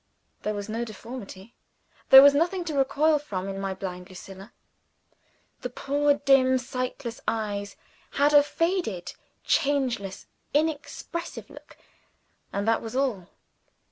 There was no deformity; there was nothing to recoil from, in my blind Lucilla. The poor, dim, sightless eyes had a faded, changeless, inexpressive look and that was all.